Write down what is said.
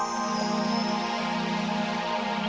ketika boleh pergi